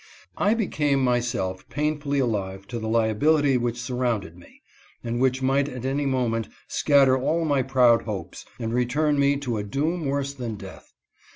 I became myself painfully alive to the liability which surrounded me, and which might at any moment scatter all my proud hopes and return me to a doom worse than death.